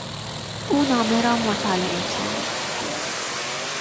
او نامه را مطالعه کرد.